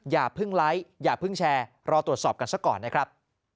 อย่าเพิ่งไลค์อย่าเพิ่งแชร์รอตรวจสอบกันซะก่อนนะครับ